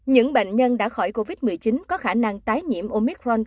những bệnh nhân đã khỏi covid một mươi chín có khả năng tái nhiễm omicron